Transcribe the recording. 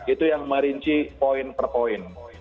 itu yang merinci poin per poin